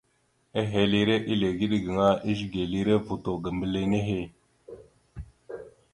Ehelire eligeɗ gaŋa, ezigelire vuto ga mbile nehe.